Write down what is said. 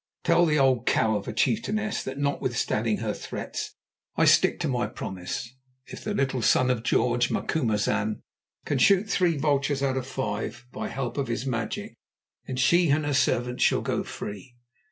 Tell the old cow of a chieftainess that, notwithstanding her threats, I stick to my promise. If the little Son of George, Macumazahn, can shoot three vultures out of five by help of his magic, then she and her servants shall go free.